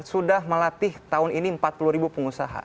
sudah melatih tahun ini empat puluh ribu pengusaha